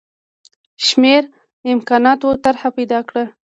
شمېر امکاناتو طرح پیدا کړه.